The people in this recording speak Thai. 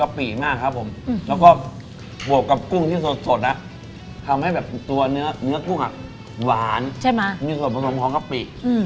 แล้วก็บวกกับกุ้งที่สดทำให้ตัวเนื้อกุ้งหวานมีส่วนผสมของกะปิ